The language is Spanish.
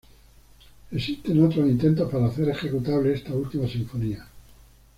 Existen otros intentos para hacer ejecutable esta última sinfonía.